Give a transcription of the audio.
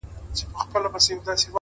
ریښتینی قوت له اصولو ساتنې ښکاري؛